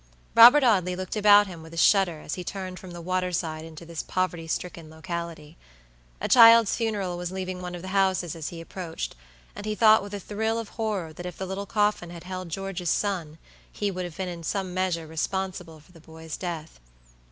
Robert Audley looked about him with a shudder as he turned from the waterside into this poverty stricken locality. A child's funeral was leaving one of the houses as he approached, and he thought with a thrill of horror that if the little coffin had held George's son, he would have been in some measure responsible for the boy's death.